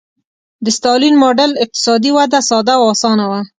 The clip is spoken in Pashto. د ستالین ماډل اقتصادي وده ساده او اسانه وه.